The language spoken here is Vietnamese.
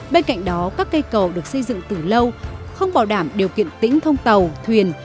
bên cạnh đó các cây cầu được xây dựng từ lâu không bảo đảm điều kiện tĩnh thông tàu thuyền